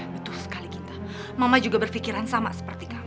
betul sekali kita mama juga berpikiran sama seperti kamu